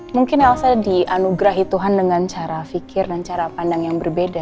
mungkin elsa dianugerahi tuhan dengan cara fikir dan cara pandang yang berbeda